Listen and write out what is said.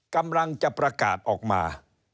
กำลังจะประกาศออกมา